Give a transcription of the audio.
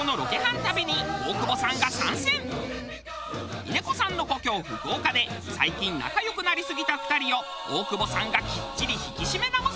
峰子さんの故郷福岡で最近仲良くなりすぎた２人を大久保さんがきっちり引き締め直す！